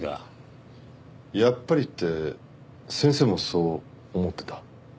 「やっぱり」って先生もそう思ってた？